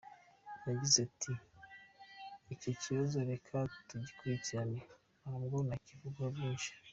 Yagize ati “Icyo kibazo reka tugikurikirane, ntabwo nakivugaho byinshi.